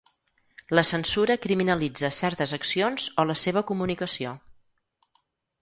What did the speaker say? La censura criminalitza certes accions o la seva comunicació.